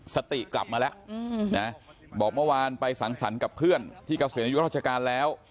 สติกลับมาแล้วนะบอกเมื่อวานไปสังสรรค์กับเพื่อนที่เกษียณอายุราชการแล้ว